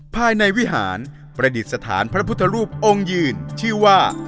ภายในวิหารประดิษฐานพระพุทธรูปองค์ยืนชื่อว่า